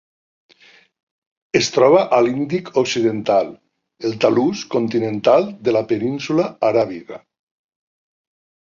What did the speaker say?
Es troba a l'Índic occidental: el talús continental de la península Aràbiga.